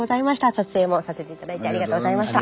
撮影もさせて頂いてありがとうございました。